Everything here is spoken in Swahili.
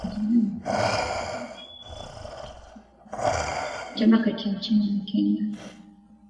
Kufuta mikataba yote kati ya Kenya na China